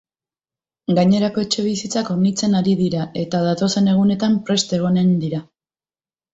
Gainerako etxebizitzak hornitzen ari dira eta datozen egunetan prest egongo dira.